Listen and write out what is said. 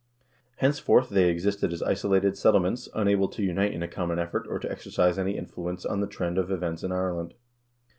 Henceforth they existed as isolated settlements, unable to unite in a common effort, or to exercise any influence on the trend of events in Ireland.